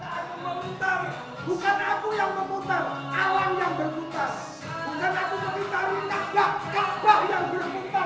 tidak aku yang memutar